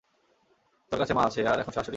তোর কাছে মা আছে, আর এখন শ্বাশুড়িও।